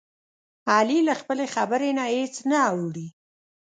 علي له خپلې خبرې نه هېڅ نه اوړوي.